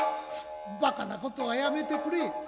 ばかなことはやめてくれ。